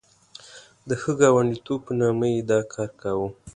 د ښه ګاونډیتوب په نامه یې دا کار کاوه.